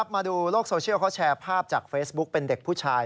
มาดูโลกโซเชียลเขาแชร์ภาพจากเฟซบุ๊กเป็นเด็กผู้ชาย